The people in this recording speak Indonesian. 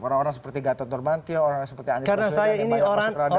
orang orang seperti gatot nurmantio orang orang seperti andi prasudian yang banyak masuk ke radar